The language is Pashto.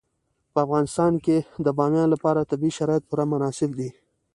په افغانستان کې د بامیان لپاره طبیعي شرایط پوره مناسب دي.